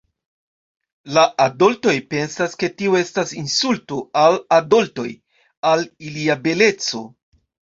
La adoltoj pensas, ke tio estas insulto al adoltoj, al ilia beleco.